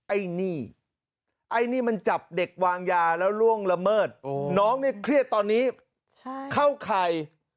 ไอ้นี่ไอ้นี่มันจับเด็กวางยาแล้วล่วงละเมิดน้องเนี่ยเครียดตอนนี้เข้าข่าย